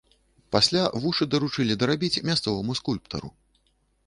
Пасля вушы даручылі дарабіць мясцоваму скульптару.